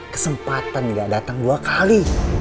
kesempatan gak datang dua kali